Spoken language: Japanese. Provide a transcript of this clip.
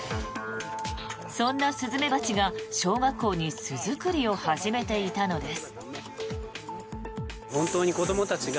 そんなスズメバチが小学校に巣作りを始めていたのです。